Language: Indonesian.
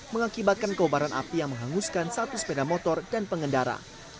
mengakibatkan keubaran api yang menghanguskan satu sepeda motor dan pengendara